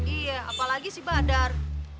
iya apalagi si badar